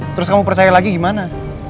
terus kamu percaya lagi gimana